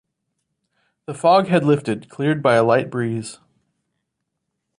The fog had lifted, cleared by a light breeze.